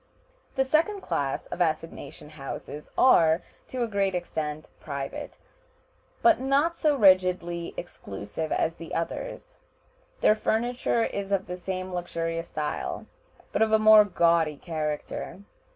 The second class of assignation houses are, to a great extent, private, but not so rigidly exclusive as the others. Their furniture is of the same luxurious style, but of a more gaudy character.